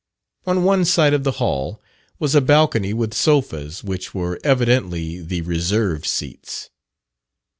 On one side of the hall was a balcony with sofas, which were evidently the "reserved seats."